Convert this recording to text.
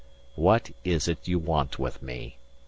"What is it you want with me?"